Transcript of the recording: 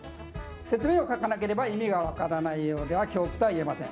説明を書かなければ意味が分からないようでは狂句とは言えません。